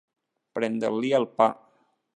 Prendre-li el pa.